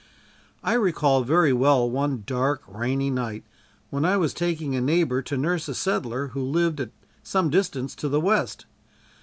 I recall very well one dark rainy night when I was taking a neighbor to nurse a settler who lived at some distance to the west.